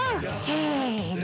せの。